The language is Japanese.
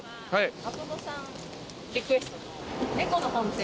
はい。